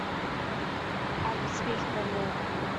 I could speak no more.